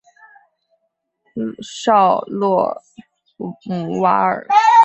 绍洛姆瓦尔。